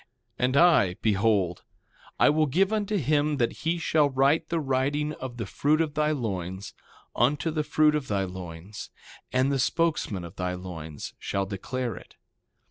And I, behold, I will give unto him that he shall write the writing of the fruit of thy loins, unto the fruit of thy loins; and the spokesman of thy loins shall declare it.